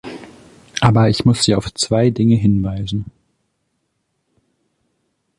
Aber ich muss Sie auf zwei Dinge hinweisen.